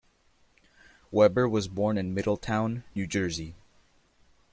Weber was born in Middletown, New Jersey.